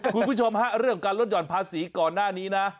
คุณผู้ชมฮะเรื่องการลดห่อนภาษีก่อนหน้านี้นะ